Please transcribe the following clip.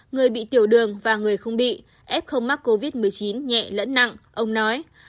người bị tiểu đường và người không bị f không mắc covid một mươi chín nhẹ lẫn nặng ông nói